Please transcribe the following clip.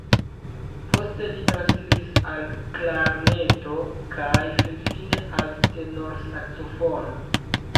Poste li transiris al klarneto kaj finfine al tenorsaksofono.